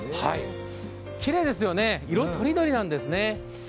きれいですよね、色とりどりなんですね。